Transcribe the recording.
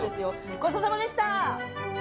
ごちそうさまでした！